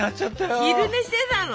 昼寝してたの？